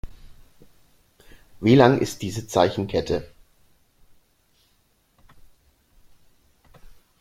Wie lang ist diese Zeichenkette?